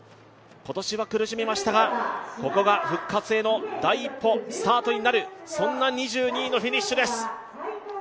今年は苦しみましたが、ここが復活への第一歩、スタートになる、そんな２２位のフィニッシュです。